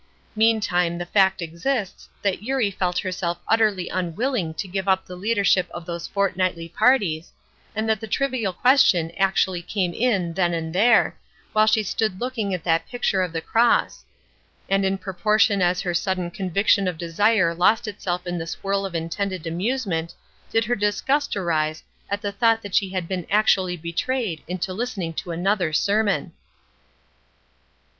Meantime the fact exists that Eurie felt herself utterly unwilling to give up the leadership of those fortnightly parties, and that the trivial question actually came in then and there, while she stood looking at that picture of the cross; and in proportion as her sudden conviction of desire lost itself in this whirl of intended amusement did her disgust arise at the thought that she had been actually betrayed into listening to another sermon!